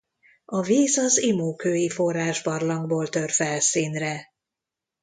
A víz az Imó-kői-forrásbarlangból tör felszínre.